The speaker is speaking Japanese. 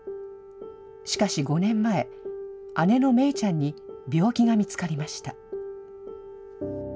しかし５年前、姉の芽衣ちゃんに病気が見つかりました。